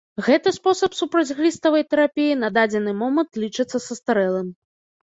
Гэты спосаб супрацьгліставай тэрапіі на дадзены момант лічыцца састарэлым.